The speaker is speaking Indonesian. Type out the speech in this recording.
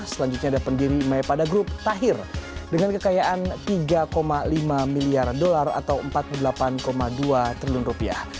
selanjutnya ada pendiri maipada group tahir dengan kekayaan tiga lima miliar dolar atau empat puluh delapan dua triliun rupiah